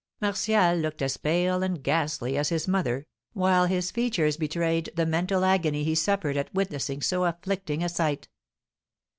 Martial looked as pale and ghastly as his mother, while his features betrayed the mental agony he suffered at witnessing so afflicting a sight.